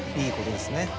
いいことですね。